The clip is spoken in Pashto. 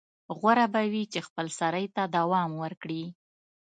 غوره به وي چې خپلسرۍ ته دوام ورکړي.